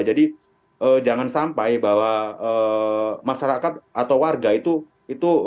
jadi jangan sampai bahwa masyarakat atau warga itu